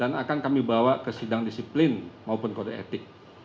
dan akan kami bawa ke sidang disiplin maupun kode etik